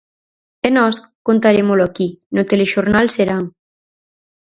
E nós contarémolo aquí, no Telexornal Serán.